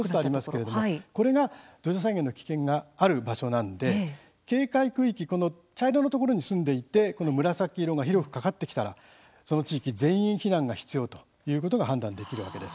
これが土砂災害の危険がある場所なので警戒区域平らなところに住んでいて紫色が広くかかってきたらその地域全員避難が必要と判断できるわけです。